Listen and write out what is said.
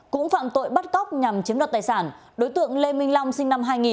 cũng phạm tội bắt cóc nhằm chiếm đoạt tài sản đối tượng lê minh long sinh năm hai nghìn